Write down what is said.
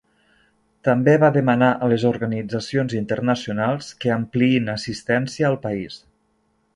També va demanar a les organitzacions internacionals que ampliïn assistència al país.